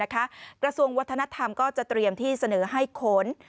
กระทรวงวัฒนธรรมก็จะเตรียมที่เสนอให้ขน